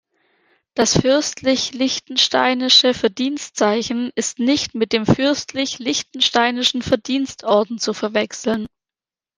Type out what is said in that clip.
Das fürstlich liechtensteinische Verdienstzeichen ist nicht mit dem fürstlich liechtensteinischen Verdienstorden zu verwechseln.